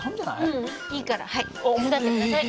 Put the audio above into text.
ううんいいからはい手伝って下さい。